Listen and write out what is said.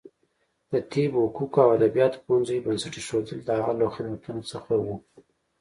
د طب، حقوقو او ادبیاتو پوهنځیو بنسټ ایښودل د هغه له خدمتونو څخه و.